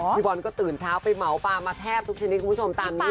พี่บอลก็ตื่นเช้าไปเหมาปลามาแทบทุกชนิดคุณผู้ชมตามนี้